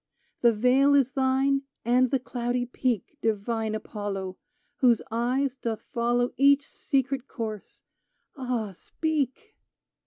The vale is thine and the cloudy peak, Divine Apollo Whose eyes doth follow Each secret course ! Ah, speak